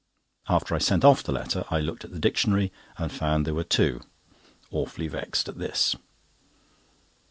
After I sent off the letter I looked at the dictionary and found there were two. Awfully vexed at this.